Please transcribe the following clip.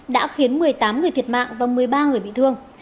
đã khiến một mươi tám người thiệt mạng và một mươi ba người bị thương